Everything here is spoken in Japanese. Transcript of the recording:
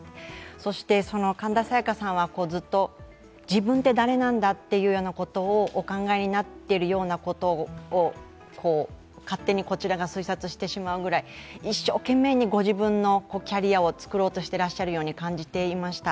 そして神田沙也加さんはずっと自分って誰なんだってことをお考えになってるようなことを勝手にこちらが推察してしまうぐらい一生懸命にご自分のキャリアを作ろうとしていらしたように感じました。